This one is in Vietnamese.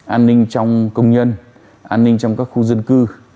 an ninh trong công nhân an ninh trong các khu dân cư